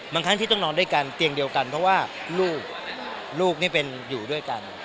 ครั้งที่ต้องนอนด้วยกันเตียงเดียวกันเพราะว่าลูกลูกนี่เป็นอยู่ด้วยกัน